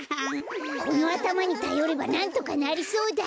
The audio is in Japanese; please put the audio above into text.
このあたまにたよればなんとかなりそうだ！